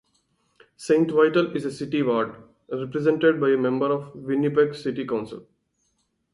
Saint Vital is a city ward, represented by a member of Winnipeg City Council.